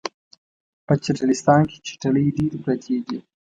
په چټلستان کې چټلۍ ډیرې پراتې دي